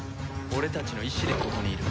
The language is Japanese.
俺たちの意思で戦っている！